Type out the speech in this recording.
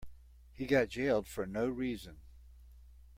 He got jailed for no reason.